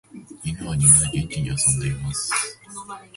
犬は庭で元気に遊んでいます。